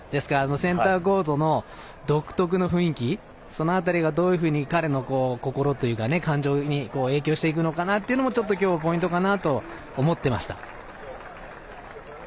センターコートの独特の雰囲気、その辺りがどういうふうに彼の心というか感情に影響していくのかなというのもちょっと今日ポイントかなと思っていました。